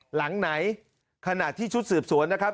หลังไหนขณะที่ชุดสืบสวนนะครับ